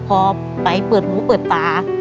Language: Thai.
พอไปเปิดหูเปิดตา